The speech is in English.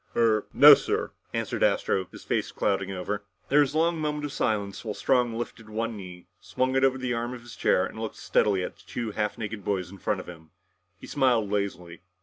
"Er no, sir," answered Astro, his face clouding over. There was a long moment of silence while Strong lifted one knee, swung it over the arm of his chair, and looked steadily at the two half naked boys in front of him. He smiled lazily.